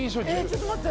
ちょっと待って。